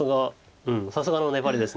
さすがの粘りです